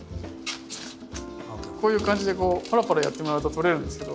こういう感じでパラパラやってもらうと取れるんですけど。